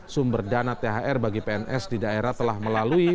sumber dana thr bagi pns di daerah telah melalui